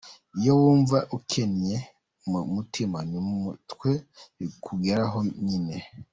Iyo wumva ukennye mu mutima no mu mutwe bikugeraho nyine.